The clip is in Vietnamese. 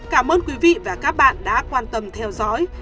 cảm ơn quý vị và các bạn đã quan tâm theo dõi